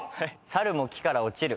「猿も木から落ちる」